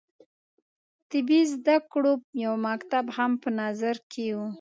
طبي زده کړو یو مکتب هم په نظر کې وو.